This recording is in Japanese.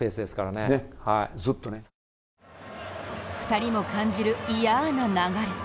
２人も感じる嫌な流れ。